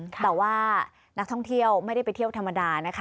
แต่ว่านักท่องเที่ยวไม่ได้ไปเที่ยวธรรมดานะคะ